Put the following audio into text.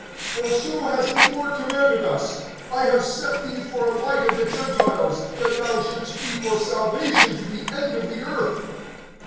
(47)For so has the Lord commanded us: I have set thee for a light of the Gentiles, That thou shouldst be for salvation to the end of the earth.